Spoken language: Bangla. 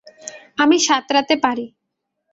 আমি সাঁতরাতে পারি।